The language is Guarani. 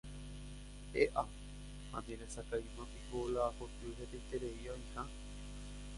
E'a, ha nderesaráimapiko la koty hetaiterei oĩha